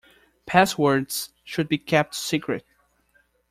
Passwords should be kept secret.